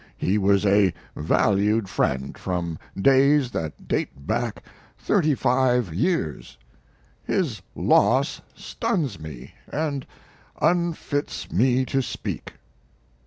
He was a valued friend from days that date back thirty five years. His loss stuns me and unfits me to speak.